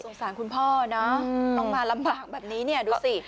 สารคุณพ่อนะต้องมาลำบากแบบนี้เนี่ยดูสิ